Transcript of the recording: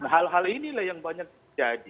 hal hal inilah yang banyak terjadi